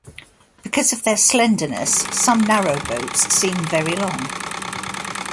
Because of their slenderness, some narrowboats seem very long.